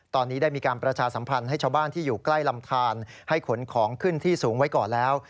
ตอนนี้ได้มีการประชาสัมพันธ์ให้ชาวบ้านที่อยู่ใกล้ลำทานให้ขนของขึ้นที่สูงไว้ก่อนแล้ว